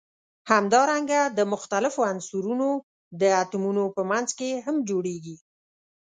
همدارنګه د مختلفو عنصرونو د اتومونو په منځ کې هم جوړیږي.